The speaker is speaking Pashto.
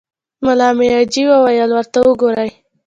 ملا مياجي وويل: ورته وګورئ!